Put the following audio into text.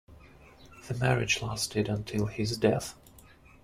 The marriage lasted until his death.